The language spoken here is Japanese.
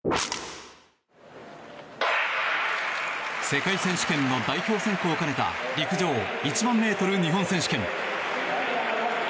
世界選手権の代表選考を兼ねた陸上１００００ｍ日本選手権。